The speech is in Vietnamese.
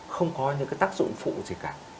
không có những cái tác dụng phụ gì cả